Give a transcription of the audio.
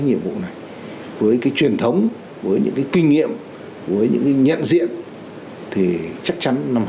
nhiệm vụ này với cái truyền thống với những cái kinh nghiệm với những cái nhận diện thì chắc chắn